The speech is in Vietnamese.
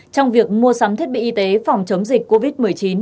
trong việc mua sắm thiết bị y tế phòng chống dịch covid một mươi chín